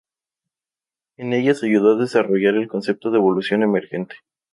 En ellas ayudó a desarrollar el concepto de evolución emergente.